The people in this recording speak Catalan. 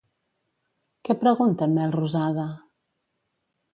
Què pregunta en Melrosada?